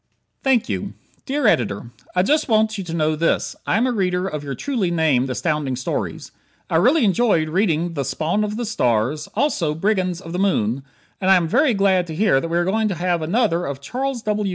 Thank You Dear Editor: I just want you to know this: I am a reader of your truly named Astounding Stories. I really enjoyed reading the "Spawn of the Stars," also "Brigands of the Moon," and I am very glad to hear that we are going to have another of Charles W.